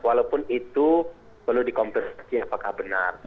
walaupun itu perlu dikompetisi apakah benar